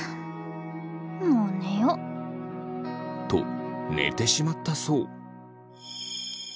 もう寝よ。と寝てしまったそう。